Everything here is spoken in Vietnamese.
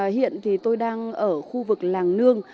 hiện thì tôi đang ở khu vực làng nương